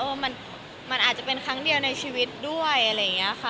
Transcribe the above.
ว่ามันอาจจะเป็นครั้งเดียวในชีวิตด้วยอะไรอย่างนี้ค่ะ